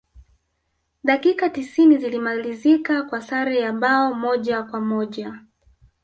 dakika tisini zilimalizika kwa sare ya bao moja kwa moja